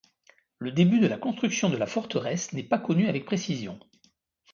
Le début de la construction de la forteresse n'est pas connu avec précision.